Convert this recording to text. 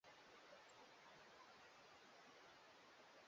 kuhusu kuteswa kwa wafungwa nchini Uganda na